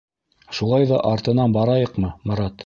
— Шулай ҙа артынан барайыҡмы, Марат?